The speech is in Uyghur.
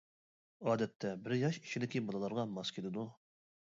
ئادەتتە بىر ياش ئىچىدىكى بالىلارغا ماس كېلىدۇ.